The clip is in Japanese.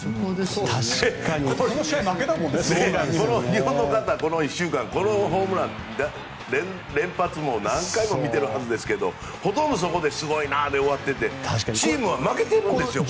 日本の方はこの１週間ホームラン連発も何回も見てるはずですけどほとんどすごいなで終わっていてチームは負けているんですよ。